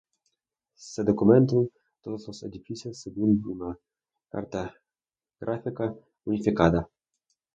Se documentan todos los edificios según una carta gráfica unificada.